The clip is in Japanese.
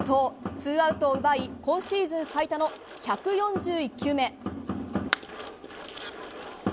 ツーアウトを奪い今シーズン最多の１４１球目。